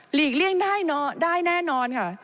เลี่ยงได้แน่นอนค่ะ